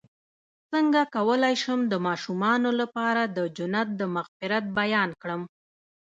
څنګه کولی شم د ماشومانو لپاره د جنت د مغفرت بیان کړم